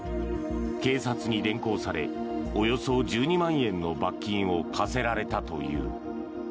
警察に連行されおよそ１２万円の罰金を科せられたという。